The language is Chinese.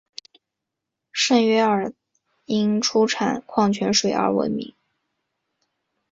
圣约尔因出产矿泉水而闻名。